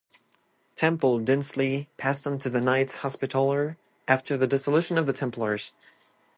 Temple Dinsley passed on to the Knights Hospitaller after the dissolution of the Templars.